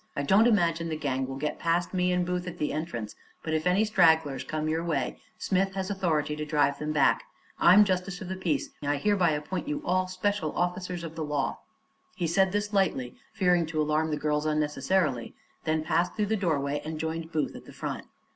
I don't imagine the gang will get past me and Booth at the entrance, but if any stragglers come your way Smith has authority to drive them back. I'm justice of the peace, and I hereby appoint you all special officers of the law." He said this lightly, fearing to alarm the girls unnecessarily, and then passed through the doorway and joined Booth at the front.